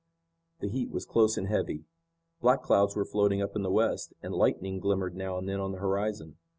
The heat was close and heavy. Black clouds were floating up in the west, and lightning glimmered now and then on the horizon.